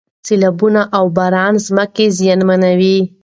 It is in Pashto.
سیلابونه او باران ځمکې زیانمنوي.